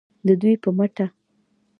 د دوی په مټه